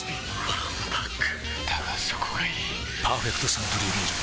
わんぱくだがそこがいい「パーフェクトサントリービール糖質ゼロ」